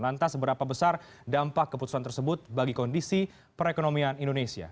lantas seberapa besar dampak keputusan tersebut bagi kondisi perekonomian indonesia